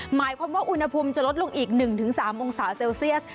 หมายความว่าอุณหภูมิจะลดลงอีก๑๓องศาเซลเซียส